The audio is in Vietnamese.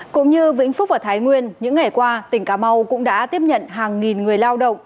cũng như vĩnh phúc và thái nguyên những ngày qua tỉnh cà mau cũng đã tiếp nhận hàng nghìn người lao động